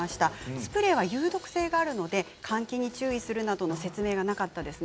スプレーは有毒性があるので換気に注意するなどの説明がなかったですね。